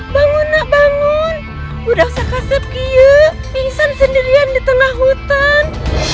bangun nak bangun udah usah kaset kie pingsan sendirian di tengah hutan